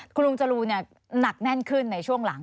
คุณลุงจรูนหนักแน่นขึ้นในช่วงหลัง